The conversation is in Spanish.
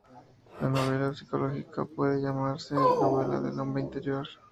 La novela psicológica puede llamarse la novela del "hombre interior".